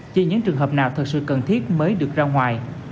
chỉ những trường hợp nào thật sự cần thiết mới được ra ngoài